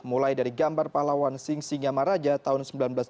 mulai dari gambar pahlawan sing singyama raja tahun seribu sembilan ratus delapan puluh tujuh